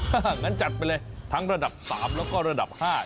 ฮ่าฮ่างั้นจัดไปเลยทั้งระดับสามแล้วก็ระดับห้า